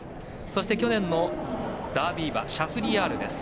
そして、去年のダービー馬シャフリヤールです。